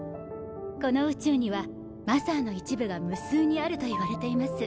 この宇宙にはマザーの一部が無数にあるといわれています。